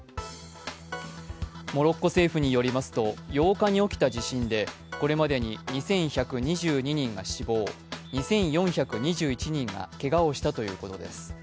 モロッコ政府によりますと８日に起きた地震でこれまでに２１２２人が死亡、２４２１人がけがをしたということです。